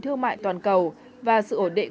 thương mại toàn cầu và sự ổn định